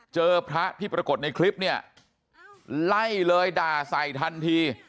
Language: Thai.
เจอพระที่ปรากฏในคลิปเนี่ยไล่เลยด่าใส่ทันที